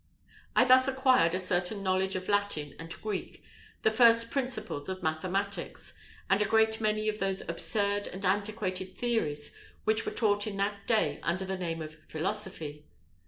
I thus acquired a certain knowledge of Latin and of Greek, the first principles of mathematics, and a great many of those absurd and antiquated theories which were taught in that day under the name of philosophy.